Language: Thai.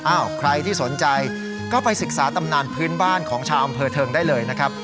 ใครที่สนใจก็ไปศึกษาตำนานพื้นบ้านของชาวอำเภอเทิงได้เลยนะครับ